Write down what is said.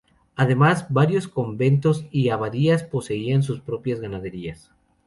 Además, varios conventos y abadías poseían sus propias ganaderías.